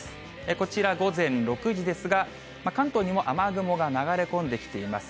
こちら、午前６時ですが、関東にも雨雲が流れ込んできています。